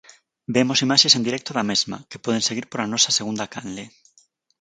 Vemos imaxes en directo da mesma, que poden seguir pola nosa segunda canle.